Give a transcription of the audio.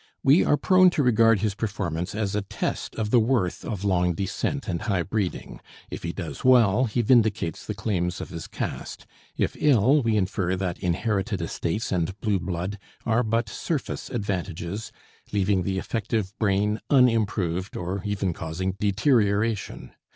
We are prone to regard his performance as a test of the worth of long descent and high breeding. If he does well, he vindicates the claims of his caste; if ill, we infer that inherited estates and blue blood are but surface advantages, leaving the effective brain unimproved, or even causing deterioration.